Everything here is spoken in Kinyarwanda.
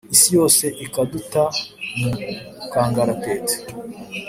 isi yose ikaduta mu kangaratete